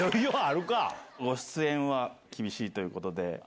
ご出演は厳しいということで、そうなの？